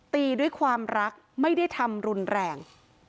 ตีด้วยความรักไม่ได้ทำรุนแรง